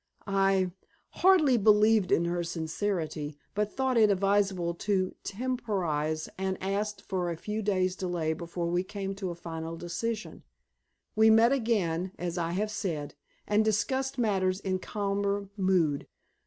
I—hardly believed in her sincerity, but thought it advisable to temporize, and asked for a few days' delay before we came to a final decision. We met again, as I have said, and discussed matters in calmer mood.